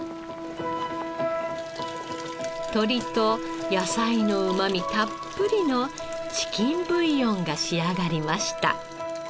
鶏と野菜のうまみたっぷりのチキンブイヨンが仕上がりました。